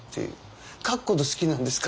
「書くこと好きなんですか？」